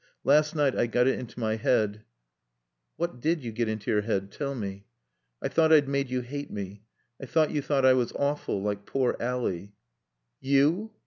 Last night I got it into my head " "What did you get into your head? Tell me " "I thought I'd made you hate me. I thought you thought I was awful like poor Ally." "_You?